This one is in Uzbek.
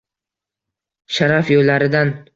Sharaf yo’llaridan